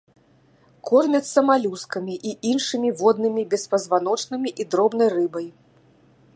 Кормяцца малюскамі і іншымі воднымі беспазваночнымі і дробнай рыбай.